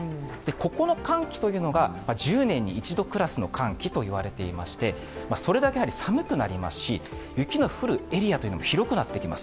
ここの寒気というのが１０年に一度クラスの寒気と言われていまして、それだけ寒くなりますし、雪の降るエリアが広くなってきます。